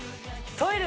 トイレ？